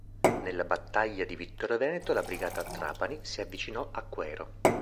Nella Battaglia di Vittorio Veneto la brigata "Trapani" si avvicinò a Quero.